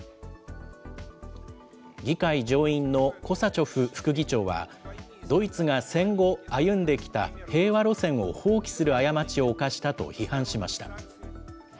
議会上院のコサチョフ副議長は、ドイツが戦後歩んできた平和路線を放棄する過ちを犯したと批判しました。